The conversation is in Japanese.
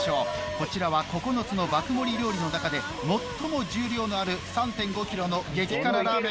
こちらは９つの爆盛り料理の中で最も重量のある３．５ｋｇの激辛ラーメン。